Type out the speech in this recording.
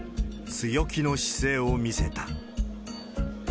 強気の姿勢を見せた。